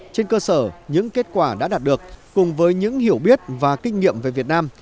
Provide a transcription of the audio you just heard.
trên cơ sở những kết quả đã đạt được cùng với những hiểu biết và kinh nghiệm về việt nam